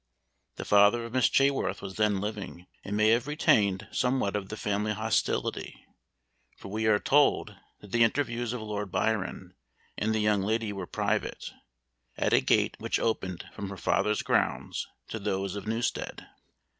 The father of Miss Chaworth was then living, and may have retained somewhat of the family hostility, for we are told that the interviews of Lord Byron and the young lady were private, at a gate which opened from her father's grounds to those of Newstead.